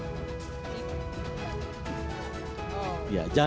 jangan dibuka dulu